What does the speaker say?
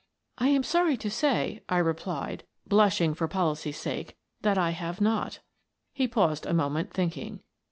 " I am sorry to say," I replied, blushing for pol icy's sake, " that I have not." He paused a moment, thinking.